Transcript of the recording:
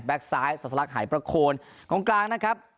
แบ็คซ้ายสรรคหายประโคลของกลางนะครับ